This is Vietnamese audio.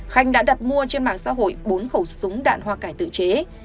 khanh đã đặt mua trên mạng xã hội bốn khẩu súng đạn hoa cải tự chế